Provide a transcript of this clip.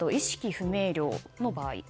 不明瞭の場合。